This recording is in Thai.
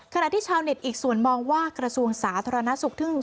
ขณะที่ชาวเน็ตอีกส่วนมองว่ากระทรวงสาธารณสุข